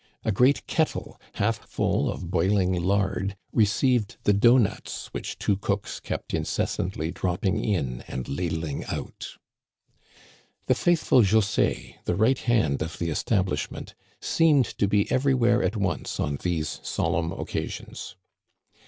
A great kettle, half full of boiling lard, received the doughnuts which two cooks kept incessantly dropping in and ladling out. Digitized by VjOOQIC 112 THE CANADIANS OF OLD, The faithful José, the right hand of the estabUsh ment, seemed to be everywhere at once on these solemn occasions.